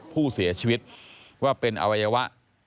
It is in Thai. ผู้เสียชีวิตว่าเป็นอวัยวะ